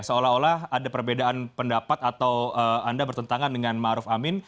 seolah olah ada perbedaan pendapat atau anda bertentangan dengan ma'ruf amin